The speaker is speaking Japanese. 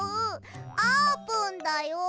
あーぷんだよ！